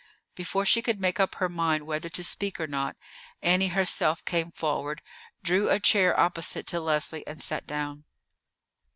Before she could make up her mind whether to speak or not, Annie herself came forward, drew a chair opposite to Leslie, and sat down.